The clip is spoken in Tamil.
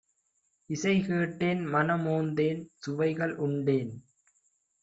இசைகேட்டேன்! மணம்மோந்தேன்! சுவைகள் உண்டேன்!